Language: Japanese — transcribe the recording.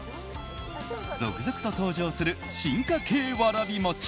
続々と登場する進化系わらび餅。